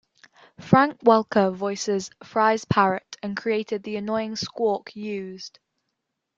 Frank Welker voices Fry's parrot and created the annoying squawk used.